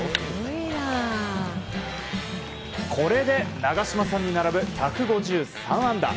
これで長嶋さんに並ぶ１５３安打。